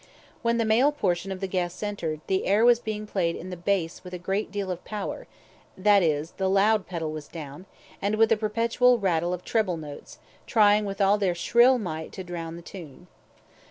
When the male portion of the guests entered, the air was being played in the bass with a great deal of power (that is, the loud pedal was down), and with a perpetual rattle of treble notes, trying with all their shrill might to drown the tune.